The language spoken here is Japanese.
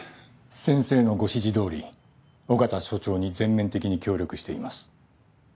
先生のご指示どおり緒方署長に全面的に協力しています。